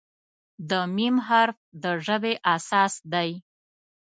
د "م" حرف د ژبې اساس دی.